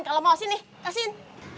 kalau mau sini kasihin